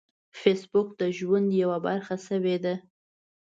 فېسبوک د ژوند یوه برخه شوې ده